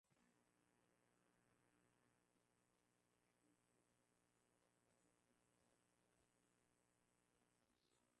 wa Karbala wenye kaburi la Ali ibn Abu Talib na watakatifu